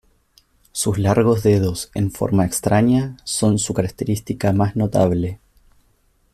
Sus largos dedos, en forma extraña, son su característica más notable.